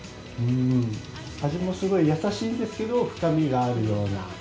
味もすごいやさしいんですけど深みがあるような。